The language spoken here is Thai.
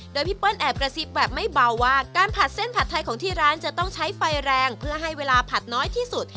โดยพี่เปิ้ลแอบกระซิบแบบไม่เบาว่าการผัดเส้นผัดไทยของที่ร้านจะต้องใช้ไฟแรงเพื่อให้เวลาผัดน้อยที่สุด